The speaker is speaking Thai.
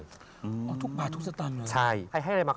แต่เขาตัดได้มั้ยอันนี้อย่างนี้อย่างนี้อย่างนี้